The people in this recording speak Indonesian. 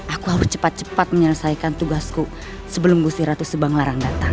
aku harus cepat cepat menyelesaikan tugasku sebelum gusti ratu sebang larang datang